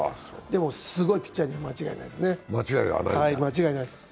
でもすごいピッチャーには間違いないですね。